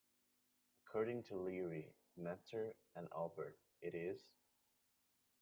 According to Leary, Metzer and Albert it is...